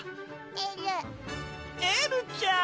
えるエルちゃん！